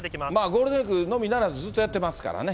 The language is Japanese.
ゴールデンウィークのみならず、ずっとやってますからね。